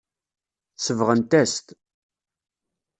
Sebɣent-as-t.